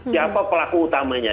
siapa pelaku utamanya